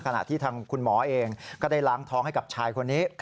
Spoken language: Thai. ขณะที่ทางคุณหมอเองก็ได้ล้างท้องให้กับชายคนนี้